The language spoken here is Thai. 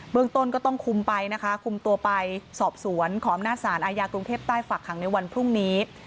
เบื้องต้นก็ต้องคุมตัวไปขอบสวนขอมหน้าศาลอายาตรุงเทพศ์ใต้ฝักขังในวันพรุ่งนี้